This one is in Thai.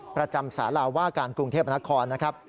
ประจำสารว่าการกรุงเทพบนครนะครับ